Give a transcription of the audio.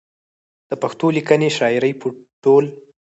د پښتو ليکنۍ شاعرۍ په ټول